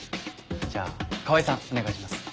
じゃあ川合さんお願いします。